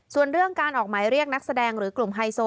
ส่วนเรื่องการออกหมายเรียกนักแสดงหรือกลุ่มไฮโซ